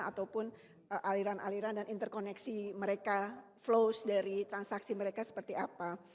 ataupun aliran aliran dan interkoneksi mereka flows dari transaksi mereka seperti apa